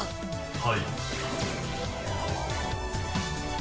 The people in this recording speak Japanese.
はい。